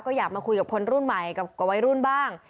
ก็อยากมาคุยกับคนรุ่นใหม่กับวัยรุ่นบ้าง